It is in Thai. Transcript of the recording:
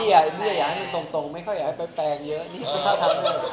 แต่พี่อยากให้มันตรงไม่ค่อยอยากให้ไปแปลงเยอะ